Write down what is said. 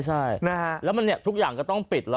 ใช่แล้วมันทุกอย่างก็ต้องปิด